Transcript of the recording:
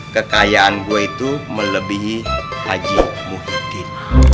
kekayaan gue itu melebihi haji muhyiddin